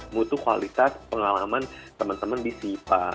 mutu kualitas pengalaman teman teman di sipa